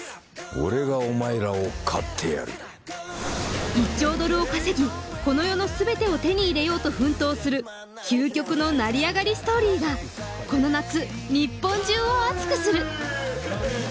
俺がお前らを買ってやる１兆ドルを稼ぎこの世の全てを手に入れようと奮闘する究極の成り上がりストーリーがこの夏日本中を熱くする